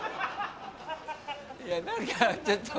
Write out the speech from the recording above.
いや、何かちょっと。